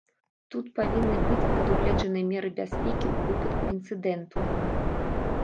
Тут павінны быць прадугледжаны меры бяспекі ў выпадку інцыдэнту.